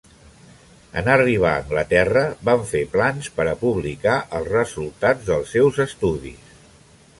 En arribar a Anglaterra van fer plans per a publicar els resultats dels seus estudis.